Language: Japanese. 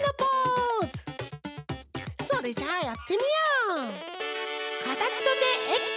それじゃあやってみよう！